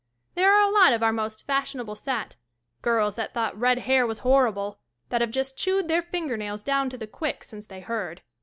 There are a lot of our most fashion able set. girls that thought red hair was hor rible, that have just chewed their finger nails down to the quick since they heard.